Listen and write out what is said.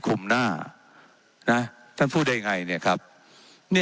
เจ้าหน้าที่ของรัฐมันก็เป็นผู้ใต้มิชชาท่านนมตรี